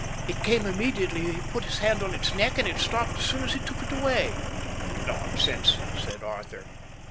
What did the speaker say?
It came immediately he put his hand on its neck, and it stopped as soon as he took it away." "Nonsense!" said Arthur.